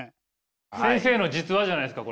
先生の実話じゃないですか？